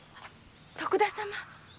徳田様？